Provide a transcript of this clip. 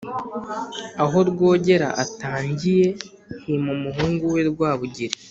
aho rwogera atangiye, hima umuhungu we rwabugili.